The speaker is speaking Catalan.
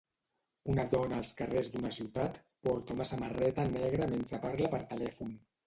Una dona als carrers d'una ciutat porta una samarreta negra mentre parla per telèfon.